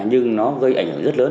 nhưng nó gây ảnh hưởng rất lớn